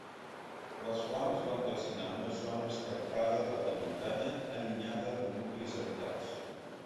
Les flames van calcinar una zona escarpada d’alta muntanya allunyada de nuclis habitats.